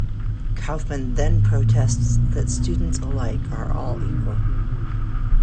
Kaufman then protests that students alike are all equal.